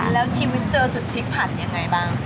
แล้วชีวิตเจอจุดพลิกผันยังไงบ้าง